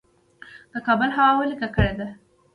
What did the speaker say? د کابل هوا ولې ککړه ده؟